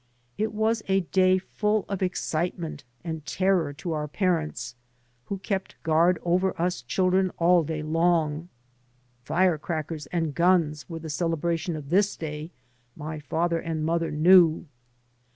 It was a day full of excite ment and terror to our parents, who kept guard over us diildren all day long. Yin crackers and guns were the celebration of this 3 by Google MY MOTHER AND I day, my father and mother knew.